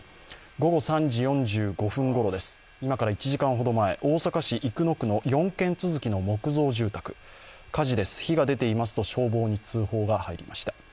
午後３時４５分ごろです、今から１時間ほど前、大阪市生野区の４軒続きの木造住宅、火事です、火が出ていますと通報に通報が入りました。